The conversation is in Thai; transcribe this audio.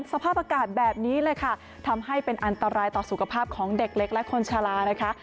สภาพอากาศแบบนี้เลยค่ะทำให้เป็นอันตรายต่อสุขภาพของเด็กเล็กและคนชาลานะคะ